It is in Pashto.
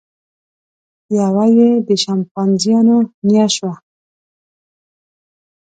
یوه یې د شامپانزیانو نیا شوه.